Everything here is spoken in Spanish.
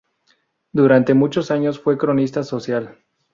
Durante muchos años fue cronista social.